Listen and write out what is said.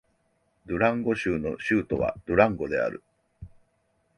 ドゥランゴ州の州都はドゥランゴである